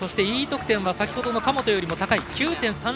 Ｅ得点は先ほどの神本よりも高い９．３６６。